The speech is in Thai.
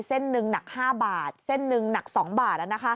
เส้นหนึ่งหนัก๕บาทเส้นหนึ่งหนัก๒บาท